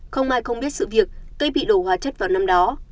không ai không biết sự việc cây bị đổ hóa chất vào năm đó